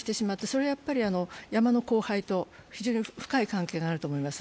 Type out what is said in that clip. それはやっぱり山の荒廃と非常に深い関係があると思います。